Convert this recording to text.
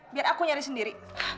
biar aku nyari sendiri